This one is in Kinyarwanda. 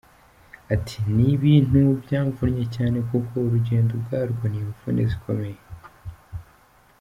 Ati “Ni ibintu byamvunnye cyane kuko urugendo ubwarwo ni imvune zikomeye.